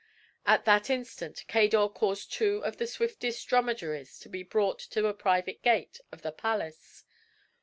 At that instant, Cador caused two of the swiftest dromedaries to be brought to a private gate of the palace.